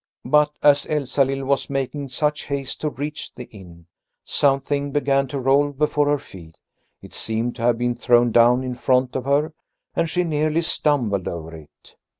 But as Elsalill was making such haste to reach the inn, something began to roll before her feet. It seemed to have been thrown down in front of her, and she nearly stumbled over it.